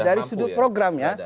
dari sudut program ya